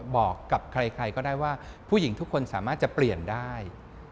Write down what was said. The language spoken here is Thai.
บอกกับใครก็ได้ว่าผู้หญิงทุกคนสามารถจะเปลี่ยนได้